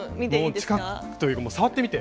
近くというか触ってみて。